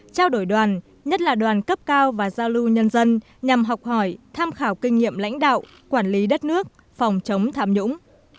trao đổi đoàn nhất là đoàn cấp cao và giao lưu nhân dân nhằm học hỏi tham khảo kinh nghiệm lãnh đạo quản lý đất nước phòng chống tham nhũng